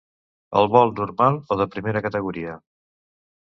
El vol normal o de primera categoria?